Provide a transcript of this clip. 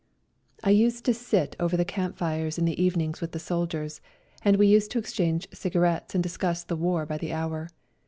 I used to sit over the camp fires in the evenings with the soldiers, and we used to exchange cigarettes and discuss the war by the hour.